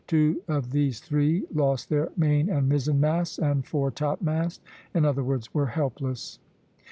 Two of these three lost their main and mizzen masts and foretopmast; in other words, were helpless.